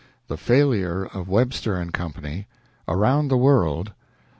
THE FAILURE OF WEBSTER & CO. AROUND THE WORLD.